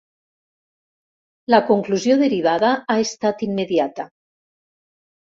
La conclusió derivada ha estat immediata.